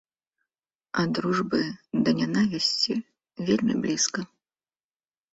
Ад дружбы да нянавісці вельмі блізка.